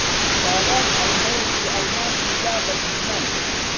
چالاک ئەڵقەیەکی ئەڵماسی دا بە دیمەن.